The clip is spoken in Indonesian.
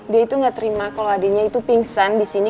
dia itu gak terima kalau adiknya itu pingsan disini